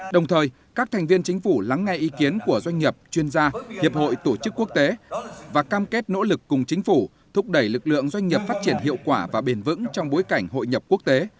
đồng thời các thành viên chính phủ lắng nghe ý kiến của doanh nghiệp chuyên gia hiệp hội tổ chức quốc tế và cam kết nỗ lực cùng chính phủ thúc đẩy lực lượng doanh nghiệp phát triển hiệu quả và bền vững trong bối cảnh hội nhập quốc tế